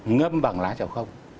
ngâm bằng lá cháu không